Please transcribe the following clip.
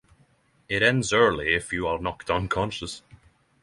It ends early if you are knocked unconscious.